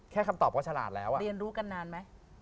คำตอบก็ฉลาดแล้วเรียนรู้กันนานไหม